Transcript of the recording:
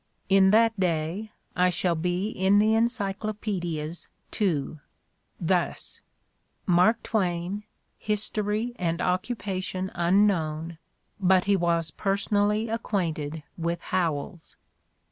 In that day, I shall be in the encyclo pedias too, thus: 'Mark Twain, history and occupation ; unknown; but he was personally acquainted with Howells.'